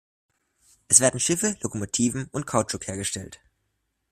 Es werden Schiffe, Lokomotiven und Kautschuk hergestellt.